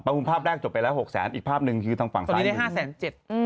ประมูลภาพแรกจบไปแล้ว๖๐๐๐๐๐บาทอีกภาพหนึ่งที่ทางฝั่งซ้ายมือ